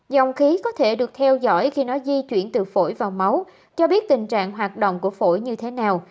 dòng khí có thể được theo dõi khi nó di chuyển từ phổi vào máu cho biết tình trạng hoạt động của phổi như thế nào